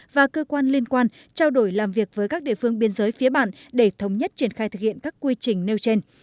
và cơ quan liên quan trao đổi làm việc với các địa phương biên giới phía bạn để thống nhất triển khai thực hiện các quy trình nêu trên